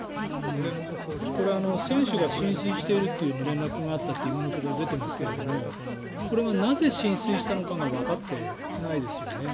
船首が浸水していると連絡があったって今のところ出てますけどこれがなぜ浸水したのかはわかっていないですよね。